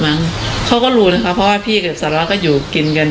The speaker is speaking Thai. ไม่ก็มีแค่นั้น